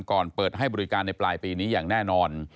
เปิดให้บริการในปลายปีนี้อย่างแน่นอน